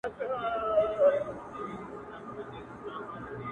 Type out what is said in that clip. گرانه شاعره لږ څه يخ دى كنه؛